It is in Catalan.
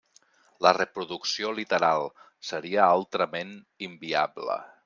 La reproducció literal seria altrament inviable.